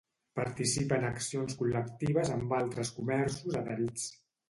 Participa en accions col·lectives amb altres comerços adherits